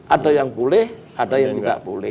ada yang boleh ada yang tidak boleh